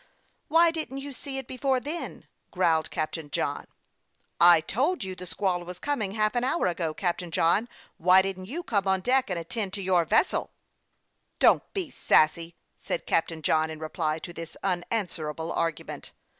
" Why didn't you see it before then ?" growled Captain John. " I told you the squall was coming half an hour ago, Captain John. Why didn't you come on deck, and attend to vour vessel ?" THE YOUNG PILOT OP LAKE CHAMPLAIN. 21 " Don't be sassy," said Captain John, in reply to this unanswerable argument.